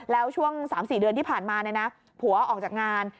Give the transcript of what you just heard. แล้วช่วง๓๔เดือนที่ผ่านมาผัวออกจากงาน